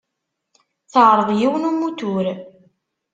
Teɛreḍ yiwen n umutur.